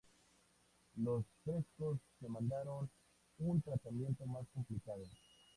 Los frescos demandaron un tratamiento más complicado.